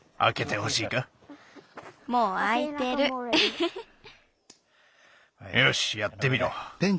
よしやってみろ。